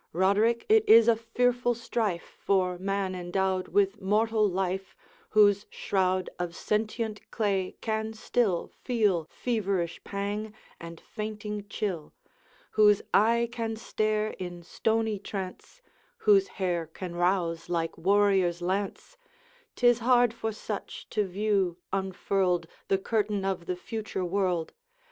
'Roderick! it is a fearful strife, For man endowed with mortal life Whose shroud of sentient clay can still Feel feverish pang and fainting chill, Whose eye can stare in stony trance Whose hair can rouse like warrior's lance, 'Tis hard for such to view, unfurled, The curtain of the future world.